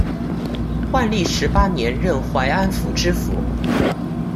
万历十八年任淮安府知府。